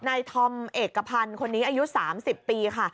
ธอมเอกพันธ์คนนี้อายุ๓๐ปีค่ะ